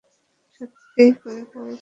সত্যি করে বলছি!